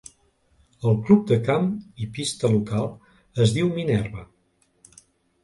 El club de camp i pista local es diu Minerva.